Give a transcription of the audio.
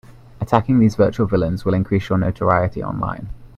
Attacking these virtual villains will increase your notoriety online.